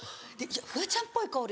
「フワちゃんっぽい子おる！